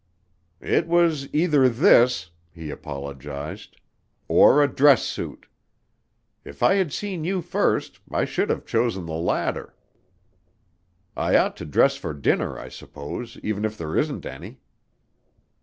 "It was either this," he apologized, "or a dress suit. If I had seen you first, I should have chosen the latter. I ought to dress for dinner, I suppose, even if there isn't any."